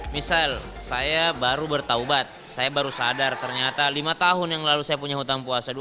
misal saya baru bertaubat saya baru sadar ternyata lima tahun yang lalu saya punya hutang puasa